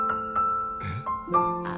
えっ？